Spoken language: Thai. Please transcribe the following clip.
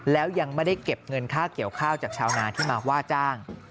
แล้วยังไม่ได้เก็บเงินค่าเกี่ยวข้าวจากชาวนาที่มาว่าจ้าง